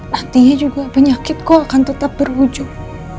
artinya juga penyakitku akan tetap berujung